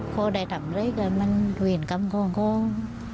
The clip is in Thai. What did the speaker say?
เขาได้ทำอะไรก็มันวีนกำคง